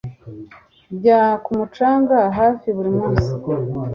Njya ku mucanga hafi buri munsi